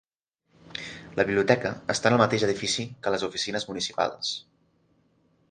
La biblioteca està en el mateix edifici que les oficines municipals.